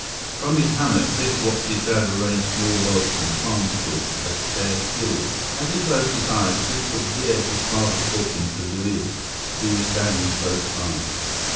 From his hammock, Biff watched his dad arrange small logs and palm stalks as spare fuel. As he closed his eyes, Biff could hear his father talking to Luiz, who was standing close by.